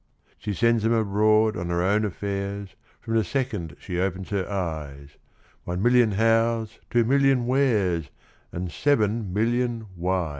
She sends 'em abroad on her own affairs, From the second she opens her eyes One million Hows, two million Wheres, And seven million Whys!